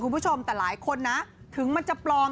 คุณผู้ชมแต่หลายคนนะถึงมันจะปลอม